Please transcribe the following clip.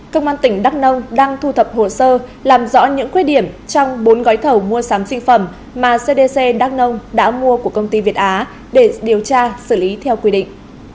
công an tỉnh đắk nông đang thu thập hồ sơ làm rõ những khuyết điểm trong bốn gói thầu mua sắm sinh phẩm mà cdc đắk nông đã mua của công ty việt á để điều tra xử lý theo quy định